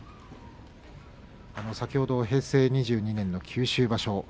先ほど平成２２年九州場所